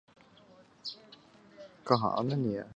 苯基三甲基氟化铵是一种季铵盐。